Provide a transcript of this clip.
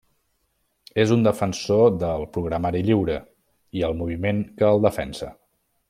És un defensor del programari lliure i el moviment que el defensa.